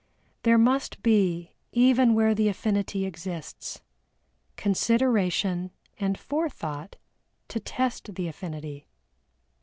There must be, even where the affinity exists, consideration and forethought to test the affinity.